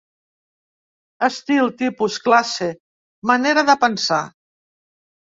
Estil, tipus, classe, manera de pensar.